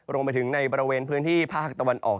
รวมไปถึงในบริเวณพื้นที่ภาคตะวันออก